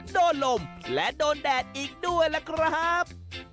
โดนลมและโดนแดดอีกด้วยล่ะครับ